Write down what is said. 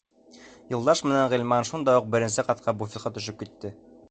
Юлдаш менән Ғилман шунда уҡ беренсе ҡатҡа буфетҡа төшөп китте.